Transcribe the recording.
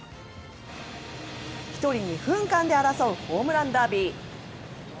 １人２分間で争うホームランダービー。